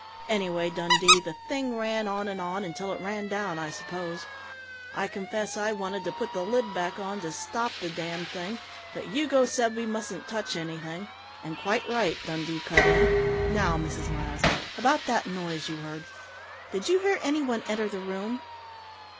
"Anyway, Dundee, the thing ran on and on, until it ran down, I suppose. I confess I wanted to put the lid back on, to stop the damned thing, but Hugo said we mustn't touch anything " "And quite right!" Dundee cut in. "Now, Mrs. Miles, about that noise you heard.... Did you hear anyone enter the room?...